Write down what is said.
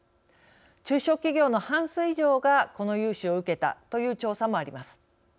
中小企業の半数以上がこの融資を受けたという調査もあります。